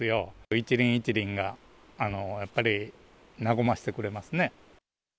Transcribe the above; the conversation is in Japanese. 一輪一輪が、やっぱり和ませてくれますね。